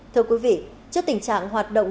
thưa quý vị trước tình trạng hoạt động